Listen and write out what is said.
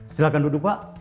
silahkan duduk pak